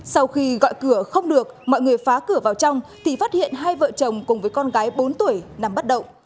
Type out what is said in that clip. sau khi gọi cửa không được mọi người phá cửa vào trong thì phát hiện hai vợ chồng cùng với con gái bốn tuổi nằm bất động